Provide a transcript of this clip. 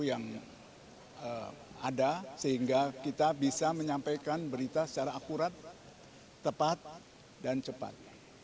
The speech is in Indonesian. yang ada sehingga kita bisa menyampaikan berita secara akurat tepat dan cepat